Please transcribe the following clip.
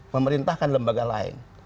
memerintahkan lembaga lain